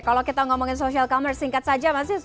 kalau kita ngomongin social commerce singkat saja mbak sis